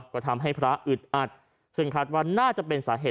ก็ทำให้พระอึดอัดซึ่งคาดว่าน่าจะเป็นสาเหตุ